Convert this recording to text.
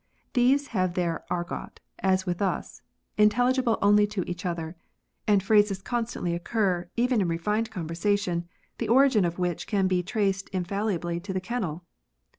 Thieves have their argot, as with us, intelligible only to each other ; and phrases constantly occur, even in refined conversation, the origin of which can be traced infallibly to the kennel.